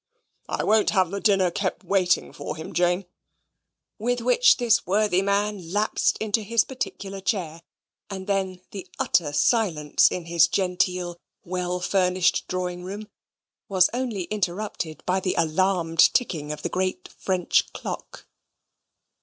I won't have the dinner kept waiting for him, Jane"; with which this worthy man lapsed into his particular chair, and then the utter silence in his genteel, well furnished drawing room was only interrupted by the alarmed ticking of the great French clock.